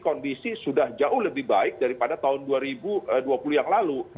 kondisi sudah jauh lebih baik daripada tahun dua ribu dua puluh yang lalu